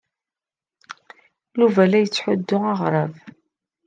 Yuba la yetthuddu aɣrab.